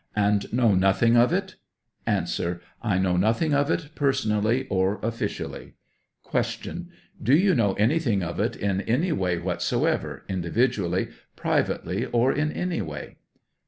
And know nothing of it ? A. I know nothing of it personally or officially. Q. Do you know anything of it in any way whatso ever, individually, privately, or in any way